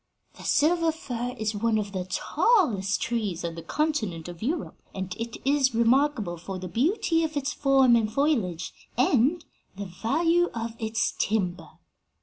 The silver fir is one of the tallest trees on the continent of Europe, and it is remarkable for the beauty of its form and foliage and the value of its timber."